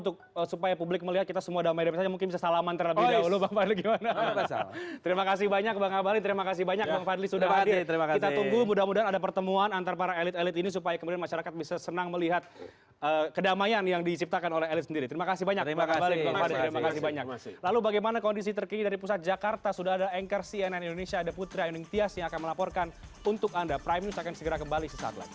kami akan segera kembali sesaat lagi